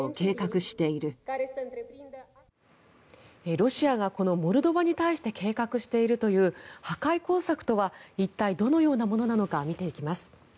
ロシアがこのモルドバに対して計画しているという破壊工作とは一体どのようなものなのか見ていきます。